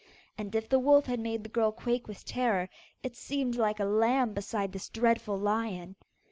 And if the wolf had made the girl quake with terror, it seemed like a lamb beside this dreadful lion.